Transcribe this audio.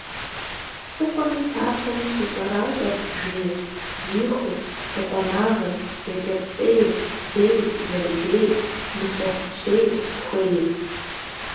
Псыхъуэми тафэми щыщӀэращӀэрт бжейр, бзиихур, дыкъуэнагъыр, екӀэпцӀейр, зейр, зэрыджейр, мыщэхупщейр, тхуейр.